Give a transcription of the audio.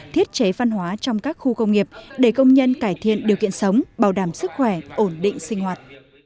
thiết chế văn hóa trong các khu công nghiệp để công nhân cải thiện điều kiện sống bảo đảm sức khỏe ổn định sinh hoạt